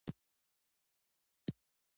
چار مغز د افغانستان په اوږده تاریخ کې ذکر شوي دي.